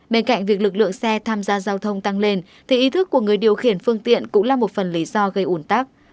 bên cạnh việc lực lượng xe tham gia giao thông tăng lên thì ý thức của người điều khiển phương tiện cũng là một phần lý do gây ủn tắc